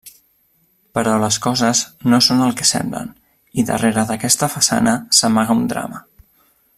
Però les coses no són el que semblen, i darrere d'aquesta façana s'amaga un drama.